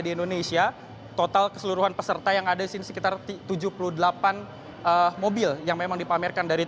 di indonesia total keseluruhan peserta yang ada di sini sekitar tujuh puluh delapan mobil yang memang dipamerkan dari